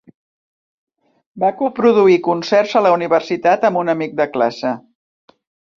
Va coproduir concerts a la universitat amb un amic de classe.